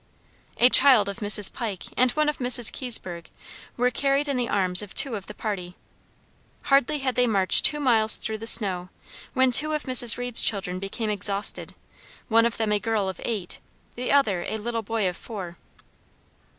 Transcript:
A child of Mrs. Pike, and one of Mrs. Kiesburg, were carried in the arms of two of the party. Hardly had they marched two miles through the snow, when two of Mrs. Reed's children became exhausted one of them a girl of eight, the other a little boy of four.